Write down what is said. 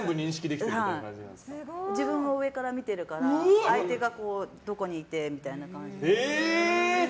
自分を上から見てるから相手がどこにいてみたいな。